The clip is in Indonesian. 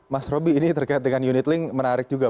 mas robby ini terkait dengan unitlink menarik juga